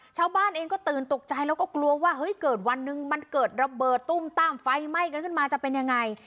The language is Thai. ชาวบ้านเองก็ตื่นตกใจแล้วก็กลัวว่าเฮ้ยเกิดวันหนึ่งมันเกิดระเบิดตุ้มตั้มไฟไหม้กันขึ้นมาจะเป็นยังไง